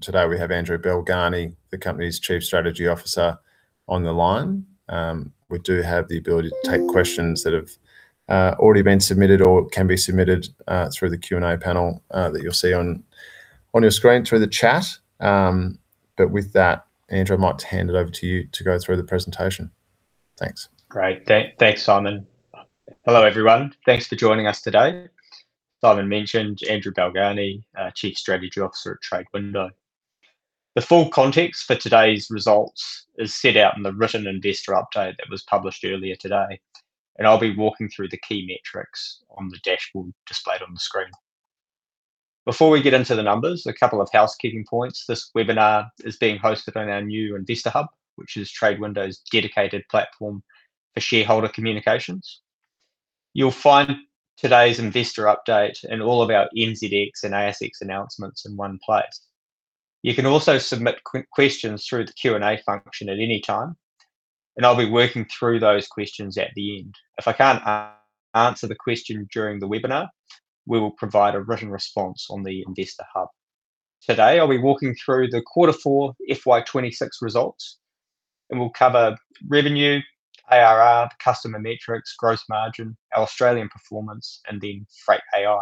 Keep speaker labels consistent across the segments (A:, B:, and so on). A: Today we have Andrew Balgarnie, the company's Chief Strategy Officer, on the line. We do have the ability to take questions that have already been submitted or can be submitted through the Q&A panel that you'll see on your screen through the chat. With that, Andrew, I might hand it over to you to go through the presentation. Thanks.
B: Great. Thanks, Simon. Hello, everyone. Thanks for joining us today. Simon mentioned, Andrew Balgarnie, Chief Strategy Officer at TradeWindow. The full context for today's results is set out in the written investor update that was published earlier today, and I'll be walking through the key metrics on the dashboard displayed on the screen. Before we get into the numbers, a couple of housekeeping points. This webinar is being hosted on our new TradeWindow Investor Hub, which is TradeWindow's dedicated platform for shareholder communications. You'll find today's investor update and all of our NZX and ASX announcements in one place. You can also submit questions through the Q&A function at any time, and I'll be working through those questions at the end. If I can't answer the question during the webinar, we will provide a written response on the TradeWindow Investor Hub. Today, I'll be walking through the Q4 FY 2026 results. We'll cover revenue, ARR, customer metrics, gross margin, our Australian performance, then Freight.AI.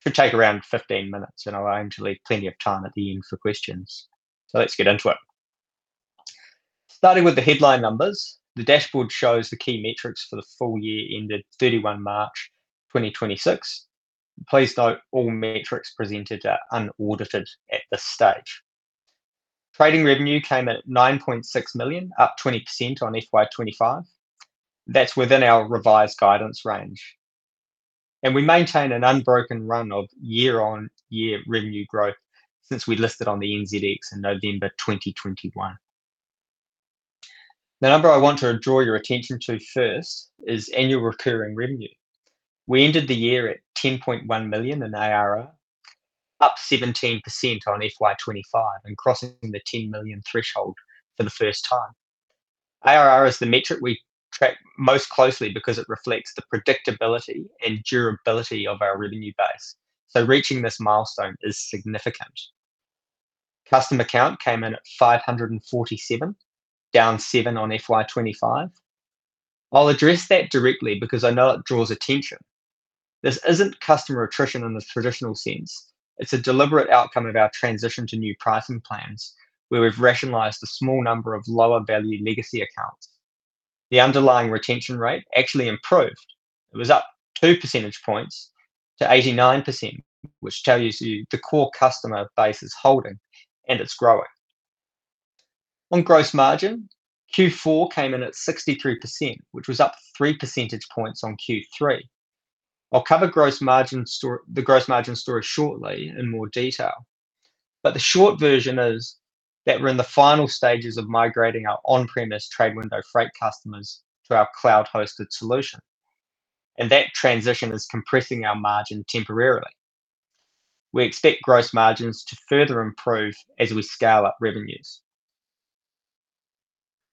B: Should take around 15 minutes. I'll aim to leave plenty of time at the end for questions. Let's get into it. Starting with the headline numbers, the dashboard shows the key metrics for the full year ended 31 March 2026. Please note all metrics presented are unaudited at this stage. Trading revenue came at 9.6 million, up 20% on FY 2025. That's within our revised guidance range. We maintain an unbroken run of year-on-year revenue growth since we listed on the NZX in November 2021. The number I want to draw your attention to first is annual recurring revenue. We ended the year at 10.1 million in ARR, up 17% on FY 2025 and crossing the 10 million threshold for the first time. ARR is the metric we track most closely because it reflects the predictability and durability of our revenue base. Reaching this milestone is significant. Customer count came in at 547, down 7 on FY 2025. I'll address that directly because I know it draws attention. This isn't customer attrition in the traditional sense. It's a deliberate outcome of our transition to new pricing plans, where we've rationalized the small number of lower value legacy accounts. The underlying retention rate actually improved. It was up 2 percentage points to 89%, which tells you the core customer base is holding and it's growing. On gross margin, Q4 came in at 63%, which was up 3 percentage points on Q3. I'll cover the gross margin story shortly in more detail. The short version is that we're in the final stages of migrating our on-premise TradeWindow Freight customers to our cloud-hosted solution, and that transition is compressing our margin temporarily. We expect gross margins to further improve as we scale up revenues.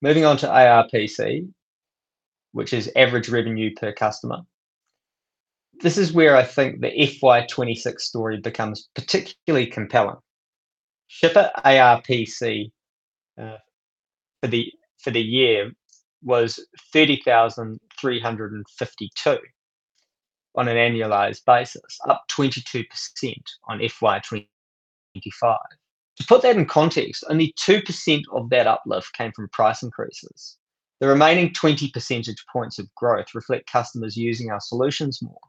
B: Moving on to ARPC, which is average revenue per customer. This is where I think the FY 2026 story becomes particularly compelling. Shipper ARPC, for the, for the year was 30,352 on an annualized basis, up 22% on FY 2025. To put that in context, only 2% of that uplift came from price increases. The remaining 20 percentage points of growth reflect customers using our solutions more.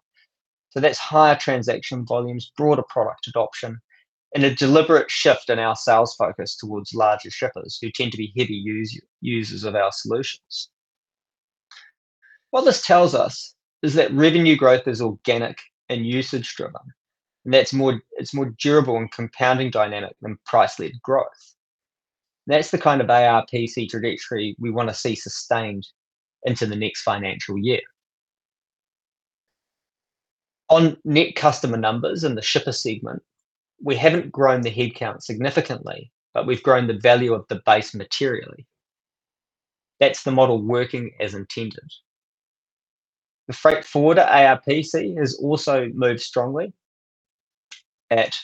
B: That's higher transaction volumes, broader product adoption, and a deliberate shift in our sales focus towards larger shippers who tend to be heavy users of our solutions. What this tells us is that revenue growth is organic and usage driven, and that's it's more durable and compounding dynamic than price-led growth. That's the kind of ARPC trajectory we wanna see sustained into the next financial year. On net customer numbers in the shipper segment, we haven't grown the headcount significantly, but we've grown the value of the base materially. That's the model working as intended. The freight forwarder ARPC has also moved strongly at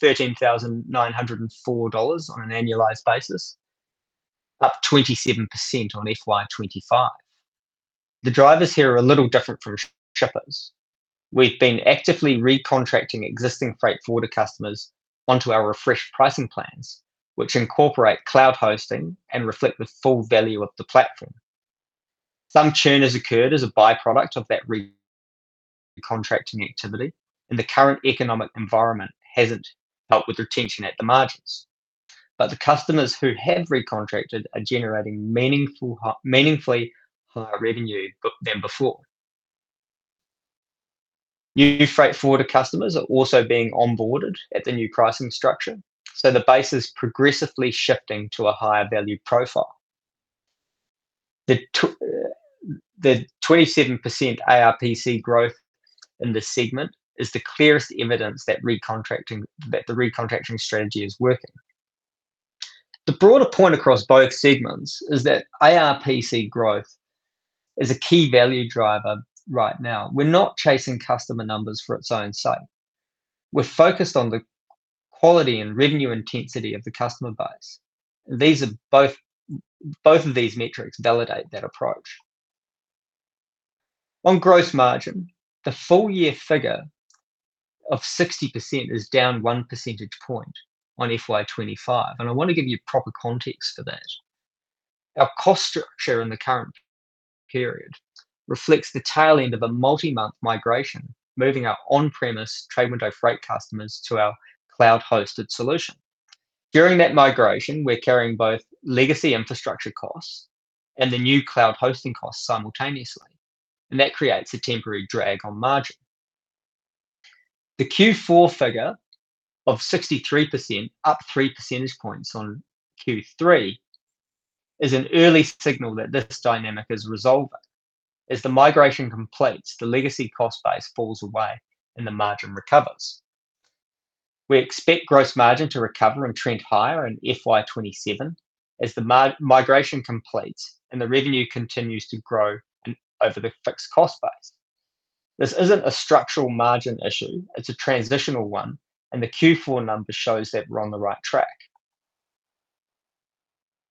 B: 13,904 dollars on an annualized basis, up 27% on FY 2025. The drivers here are a little different from shippers. We've been actively recontracting existing freight forwarder customers onto our refreshed pricing plans, which incorporate cloud hosting and reflect the full value of the platform. Some churn has occurred as a by-product of that recontracting activity, and the current economic environment hasn't helped with retention at the margins. The customers who have recontracted are generating meaningfully higher revenue than before. New freight forwarder customers are also being onboarded at the new pricing structure, so the base is progressively shifting to a higher value profile. The 27% ARPC growth in this segment is the clearest evidence that the recontracting strategy is working. The broader point across both segments is that ARPC growth is a key value driver right now. We're not chasing customer numbers for its own sake. We're focused on the quality and revenue intensity of the customer base. Both of these metrics validate that approach. On gross margin, the full year figure of 60% is down 1 percentage point on FY 2025, and I wanna give you proper context for that. Our cost structure in the current period reflects the tail end of a multi-month migration, moving our on-premise TradeWindow Freight customers to our cloud-hosted solution. During that migration, we're carrying both legacy infrastructure costs and the new cloud hosting costs simultaneously, and that creates a temporary drag on margin. The Q4 figure of 63%, up 3 percentage points on Q3, is an early signal that this dynamic is resolving. As the migration completes, the legacy cost base falls away and the margin recovers. We expect gross margin to recover and trend higher in FY 2027 as the migration completes and the revenue continues to grow over the fixed cost base. This isn't a structural margin issue, it's a transitional one, and the Q4 number shows that we're on the right track.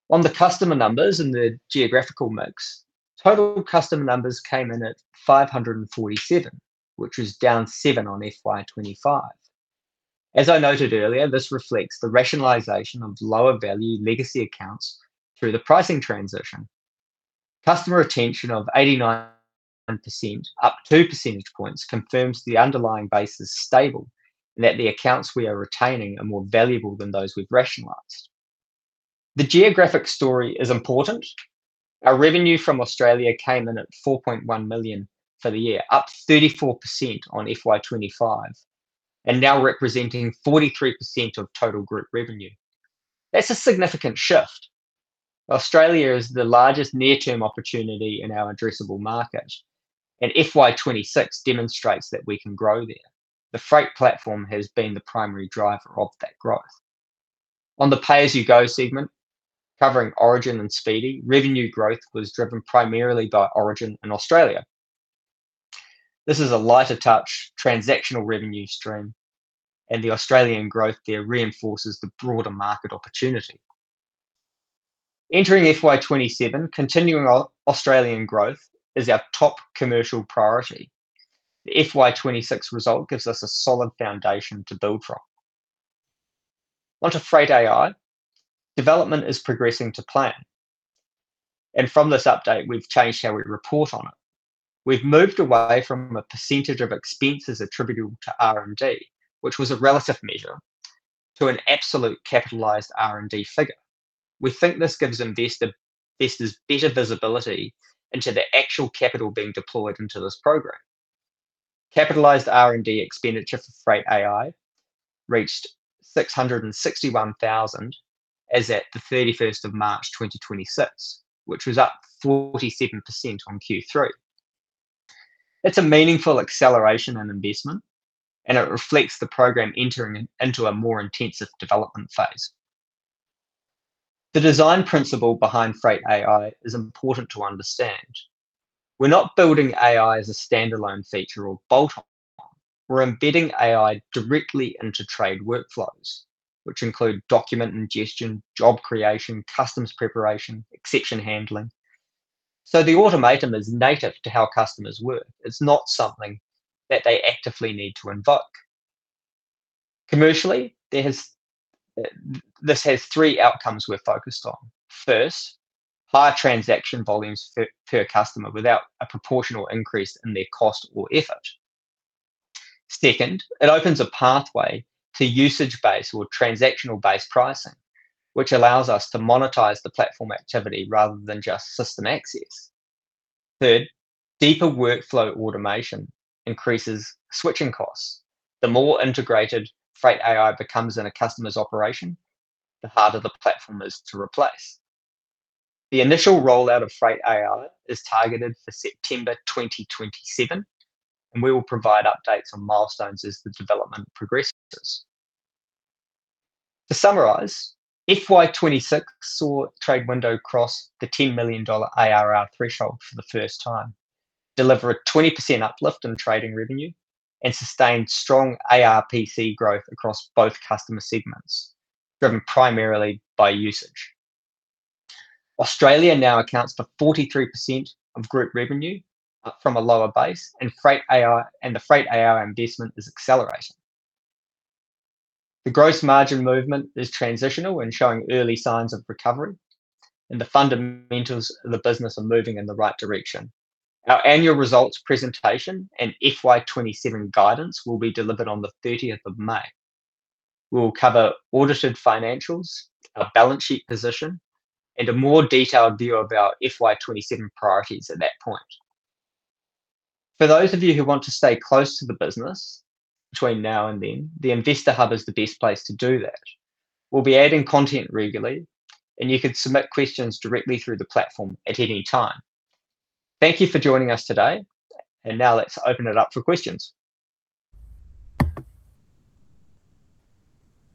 B: On the customer numbers and the geographical mix, total customer numbers came in at 547, which was down 7 on FY 2025. As I noted earlier, this reflects the rationalization of lower value legacy accounts through the pricing transition. Customer retention of 89%, up 2 percentage points, confirms the underlying base is stable, and that the accounts we are retaining are more valuable than those we've rationalized. The geographic story is important. Our revenue from Australia came in at 4.1 million for the year, up 34% on FY 2025, and now representing 43% of total group revenue. That's a significant shift. Australia is the largest near-term opportunity in our addressable market, and FY 2026 demonstrates that we can grow there. The Freight platform has been the primary driver of that growth. On the Pay as you Go segment, covering Origin and SpeEDI, revenue growth was driven primarily by Origin in Australia. This is a lighter touch, transactional revenue stream, and the Australian growth there reinforces the broader market opportunity. Entering FY 2027, continuing Australian growth is our top commercial priority. The FY 2026 result gives us a solid foundation to build from. Onto Freight.AI, development is progressing to plan. From this update, we've changed how we report on it. We've moved away from a percentage of expenses attributable to R&D, which was a relative measure, to an absolute capitalized R&D figure. We think this gives investors better visibility into the actual capital being deployed into this program. Capitalized R&D expenditure for Freight.AI reached 661,000 as at the 31st of March 2026, which was up 47% on Q3. It's a meaningful acceleration and investment, and it reflects the program entering into a more intensive development phase. The design principle behind Freight.AI is important to understand. We're not building AI as a standalone feature or bolt on. We're embedding AI directly into trade workflows, which include document ingestion, job creation, customs preparation, exception handling. The automation is native to how customers work. It's not something that they actively need to invoke. Commercially, this has three outcomes we're focused on. First, higher transaction volumes per customer without a proportional increase in their cost or effort. Second, it opens a pathway to usage-based or transactional-based pricing, which allows us to monetize the platform activity rather than just system access. Third, deeper workflow automation increases switching costs. The more integrated Freight.AI becomes in a customer's operation, the harder the platform is to replace. The initial rollout of Freight.AI is targeted for September 2027, and we will provide updates on milestones as the development progresses. To summarize, FY 2026 saw TradeWindow cross the 10 million dollar ARR threshold for the first time, deliver a 20% uplift in trading revenue, and sustained strong ARPC growth across both customer segments, driven primarily by usage. Australia now accounts for 43% of group revenue from a lower base, and the Freight.AI investment is accelerating. The gross margin movement is transitional and showing early signs of recovery, and the fundamentals of the business are moving in the right direction. Our annual results presentation and FY 2027 guidance will be delivered on the 30th of May. We'll cover audited financials, our balance sheet position, and a more detailed view of our FY 2027 priorities at that point. For those of you who want to stay close to the business between now and then, the Investor Hub is the best place to do that. We'll be adding content regularly, and you can submit questions directly through the platform at any time. Thank you for joining us today, and now let's open it up for questions.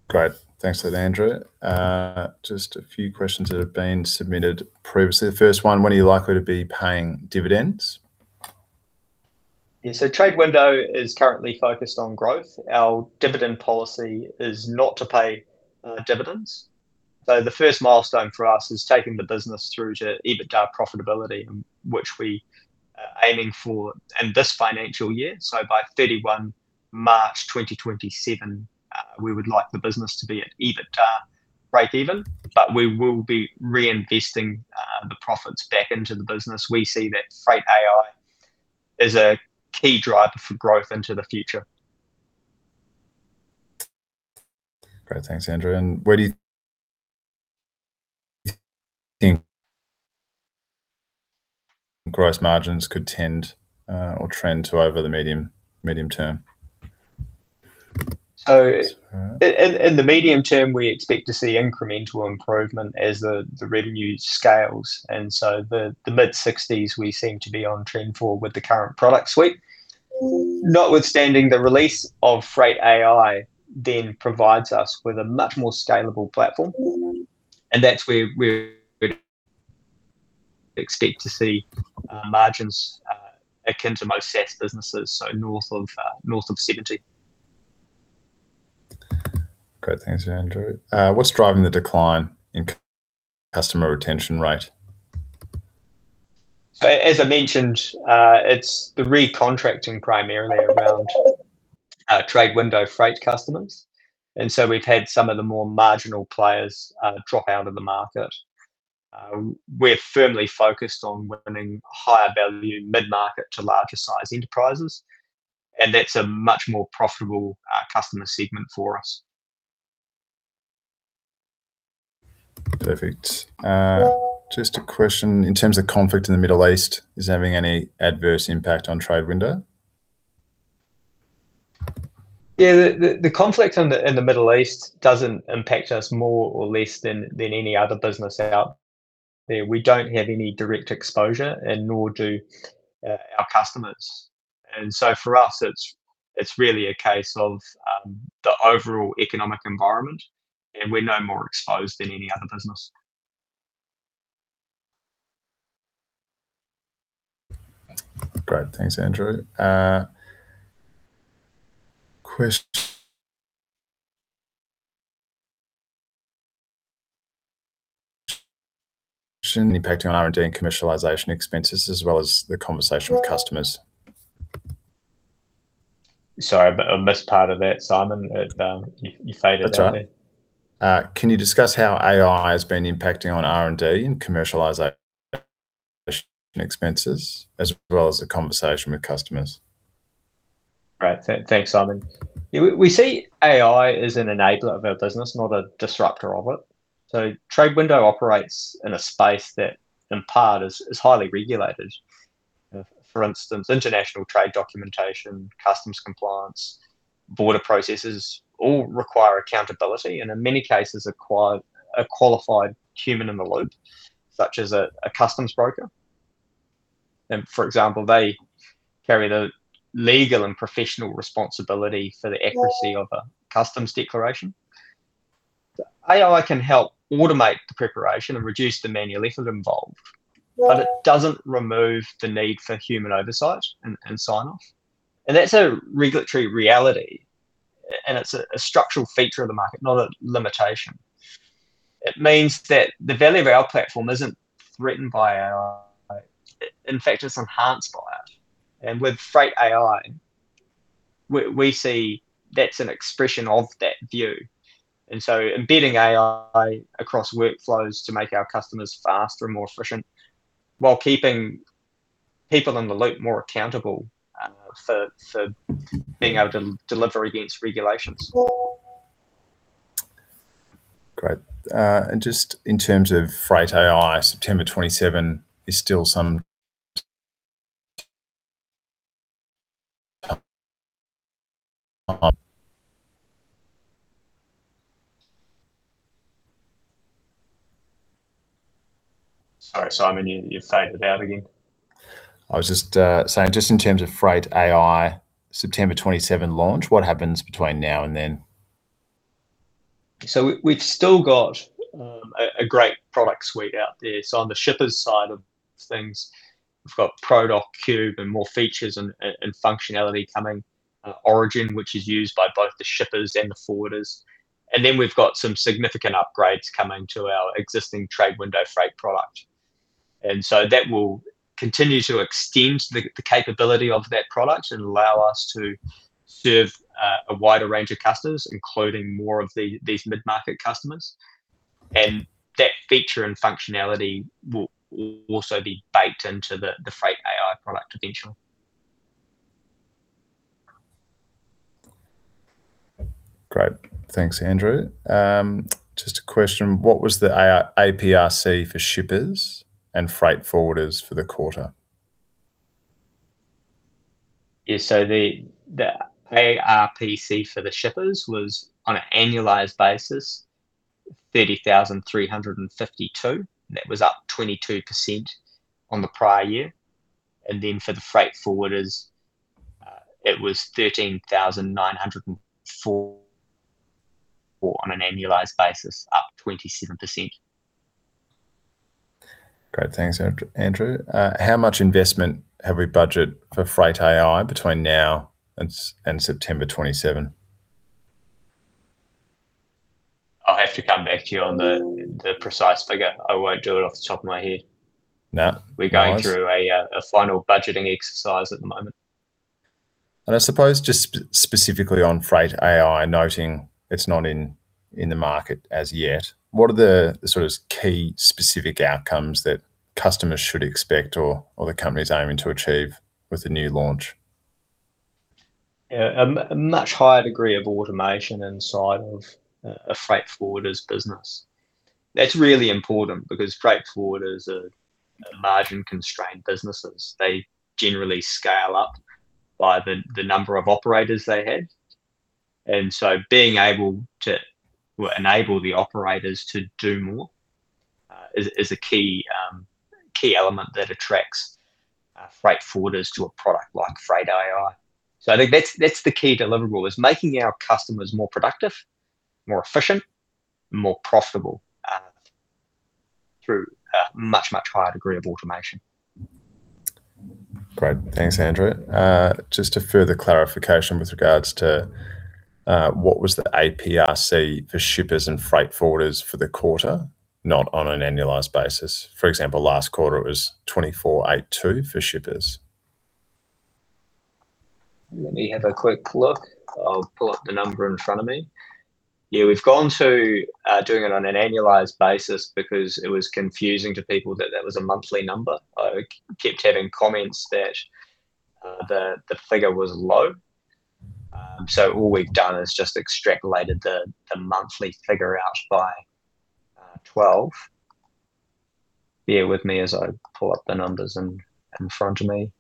A: Great. Thanks for that, Andrew. Just a few questions that have been submitted previously. The first one, when are you likely to be paying dividends?
B: Yeah, TradeWindow is currently focused on growth. Our dividend policy is not to pay dividends. The first milestone for us is taking the business through to EBITDA profitability, which we are aiming for in this financial year. By 31 March 2027, we would like the business to be at EBITDA breakeven, but we will be reinvesting the profits back into the business. We see that Freight.AI is a key driver for growth into the future.
A: Great. Thanks, Andrew. Where do you think gross margins could tend, or trend to over the medium term?
B: So-
A: Yeah
B: in the medium term, we expect to see incremental improvement as the revenue scales. The mid-60s% we seem to be on trend for with the current product suite. Notwithstanding the release of Freight.AI then provides us with a much more scalable platform. That's where we would expect to see margins akin to most SaaS businesses, so north of 70%.
A: Great. Thanks, Andrew. What's driving the decline in customer retention rate?
B: As I mentioned, it's the recontracting primarily around TradeWindow Freight customers, and so we've had some of the more marginal players drop out of the market. We're firmly focused on winning higher value mid-market to larger size enterprises, and that's a much more profitable customer segment for us.
A: Perfect. Just a question, in terms of conflict in the Middle East, is it having any adverse impact on TradeWindow?
B: The conflict in the Middle East doesn't impact us more or less than any other business out there. We don't have any direct exposure and nor do our customers. For us, it's really a case of the overall economic environment, and we're no more exposed than any other business.
A: Great. Thanks, Andrew. Impacting R&D and commercialization expenses as well as the conversation with customers.
B: Sorry, I missed part of that, Simon. It, you faded out there.
A: That's all right. Can you discuss how AI has been impacting on R&D and commercialization expenses, as well as the conversation with customers?
B: Great. Thanks, Simon. Yeah, we see AI as an enabler of our business, not a disruptor of it. TradeWindow operates in a space that in part is highly regulated. For instance, international trade documentation, customs compliance, border processes all require accountability and in many cases require a qualified human in the loop, such as a customs broker, and for example, they carry the legal and professional responsibility for the accuracy of a customs declaration. AI can help automate the preparation and reduce the manual effort involved. It doesn't remove the need for human oversight and sign-off. That's a regulatory reality, and it's a structural feature of the market, not a limitation. It means that the value of our platform isn't threatened by AI. In fact, it's enhanced by it, and with Freight.AI, we see that's an expression of that view. Embedding AI across workflows to make our customers faster and more efficient while keeping people in the loop more accountable for being able to deliver against regulations.
A: Great. Just in terms of Freight.AI, September 2027 is still.
B: Sorry, Simon, you've faded out again.
A: I was just saying just in terms of Freight.AI September 2027 launch, what happens between now and then?
B: We've still got a great product suite out there. On the shippers side of things, we've got TradeWindow Prodoc and more features and functionality coming. Origin, which is used by both the shippers and the forwarders. Then we've got some significant upgrades coming to our existing TradeWindow Freight product, and so that will continue to extend the capability of that product and allow us to serve a wider range of customers, including more of these mid-market customers, and that feature and functionality will also be baked into the Freight.AI product eventually.
A: Great. Thanks, Andrew. Just a question. What was the ARPC for shippers and freight forwarders for the quarter?
B: Yeah. The ARPC for the shippers was, on an annualized basis, 30,352, and that was up 22% on the prior year. For the freight forwarders, it was 13,904 on an annualized basis, up 27%.
A: Great. Thanks, Andrew. How much investment have we budget for Freight.AI between now and September 2027?
B: I'll have to come back to you on the precise figure. I won't do it off the top of my head.
A: No. No worries.
B: We're going through a final budgeting exercise at the moment.
A: I suppose just specifically on Freight.AI, noting it's not in the market as yet, what are the sort of key specific outcomes that customers should expect or the company's aiming to achieve with the new launch?
B: Yeah. A much higher degree of automation inside of a freight forwarder's business. That's really important because freight forwarders are margin-constrained businesses. They generally scale up by the number of operators they have. Being able to enable the operators to do more is a key element that attracts freight forwarders to a product like Freight.AI. I think that's the key deliverable, is making our customers more productive, more efficient, and more profitable through a much, much higher degree of automation.
A: Great. Thanks, Andrew. Just a further clarification with regards to what was the ARPC for shippers and freight forwarders for the quarter, not on an annualized basis? For example, last quarter it was [2,482] for shippers.
B: Let me have a quick look. I'll pull up the number in front of me. Yeah, we've gone to doing it on an annualized basis because it was confusing to people that that was a monthly number. I kept getting comments that the figure was low. All we've done is just extrapolated the monthly figure out by 12. Bear with me as I pull up the numbers in front of me.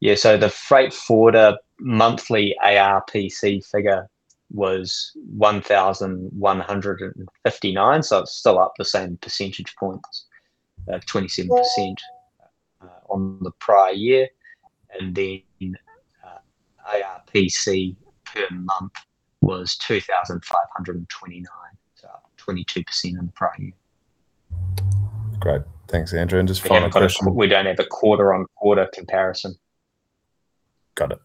B: Yeah, the freight forwarder monthly ARPC figure was 1,159, so it's still up the same percentage points at 27% on the prior year. ARPC per month was 2,529, so 22% on the prior year.
A: Great. Thanks, Andrew. Just final question.
B: Yeah, we don't have, we don't have a quarter-on-quarter comparison.
A: Got it.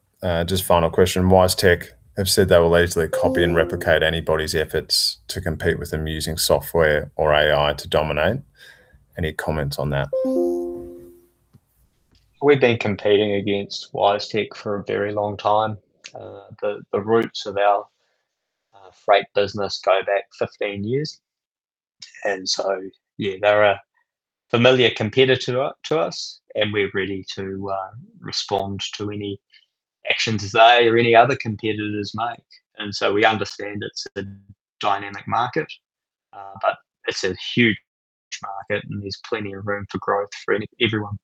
A: Just final question. WiseTech have said they will easily copy and replicate anybody's efforts to compete with them using software or AI to dominate. Any comments on that?
B: We've been competing against WiseTech Global for a very long time. The roots of our freight business go back 15 years. Yeah, they're a familiar competitor to us, and we're ready to respond to any actions they or any other competitors make. We understand it's a dynamic market, but it's a huge market and there's plenty of room for growth for everyone.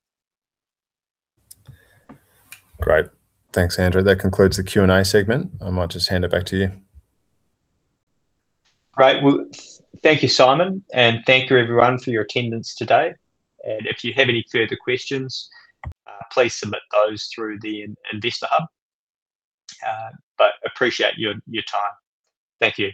A: Great. Thanks, Andrew. That concludes the Q&A segment. I might just hand it back to you.
B: Great. Thank you, Simon, and thank you everyone for your attendance today. If you have any further questions, please submit those through the Investor Hub. Appreciate your time. Thank you.